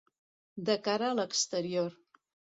De cara a l'exterior.